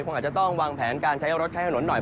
คงอาจจะต้องวางแผนการใช้รถใช้ถนนหน่อย